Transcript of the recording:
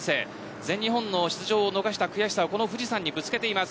萩原１年生全日本の出場を逃した悔しさをこの富士山にぶつけています。